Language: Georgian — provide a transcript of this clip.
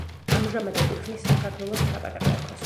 ამჟამად ეკუთვნის საქართველოს საპატრიარქოს.